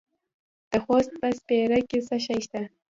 د خوست په سپیره کې څه شی شته؟